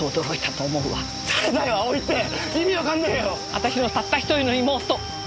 私のたった１人の妹。